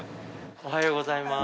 おはようございます。